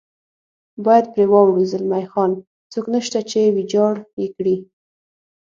باید پرې واوړو، زلمی خان: څوک نشته چې ویجاړ یې کړي.